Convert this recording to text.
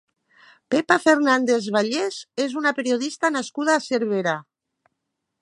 Pepa Fernández Vallés és una periodista nascuda a Cervera.